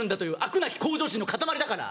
なき向上心の塊だから。